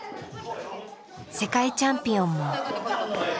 世界チャンピオンも。